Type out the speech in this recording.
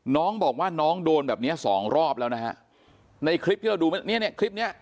น้องบอกว่าน้องโดนแบบเนี้ยสองรอบแล้วนะฮะในคลิปที่เราดูเนี้ยเนี่ยคลิปเนี้ย